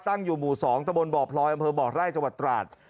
ตั้งอยู่หมู่๒ตะบนบ่อพลอยอำเภอบ่อไร่จังหวัดตราด